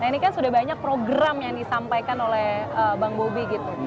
nah ini kan sudah banyak program yang disampaikan oleh bang bobi gitu